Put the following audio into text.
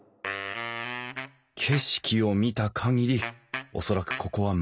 景色を見た限り恐らくここは昔からの農村。